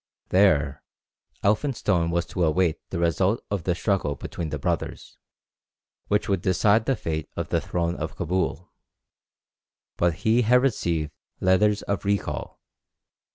There Elphinstone was to await the result of the struggle between the brothers, which would decide the fate of the throne of Cabul, but he had received letters of recall.